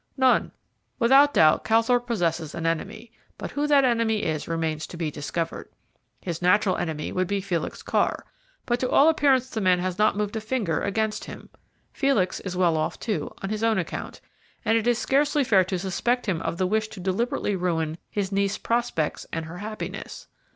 "None. Without doubt Calthorpe possesses an enemy, but who that enemy is remains to be discovered. His natural enemy would be Felix Carr, but to all appearance the man has not moved a finger against him. Felix is well off, too, on his own account, and it is scarcely fair to suspect him of the wish to deliberately ruin his niece's prospects and her happiness.